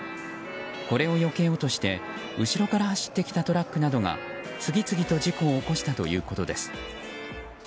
これをよけようとして後ろから走ってきたトラックなどが次々と事故を起こしたということです。